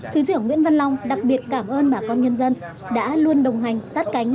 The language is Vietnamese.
thứ trưởng nguyễn văn long đặc biệt cảm ơn bà con nhân dân đã luôn đồng hành sát cánh